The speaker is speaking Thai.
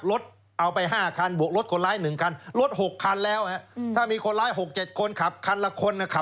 รถเอาไป๕คันบวกรถคนร้าย๑คันรถ๖คันแล้วถ้ามีคนร้าย๖๗คนขับคันละคนนะครับ